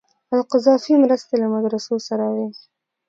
القذافي مرستې له مدرسو سره وې.